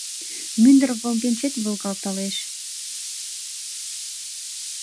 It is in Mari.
Мӱндыр волгенчет волгалталеш -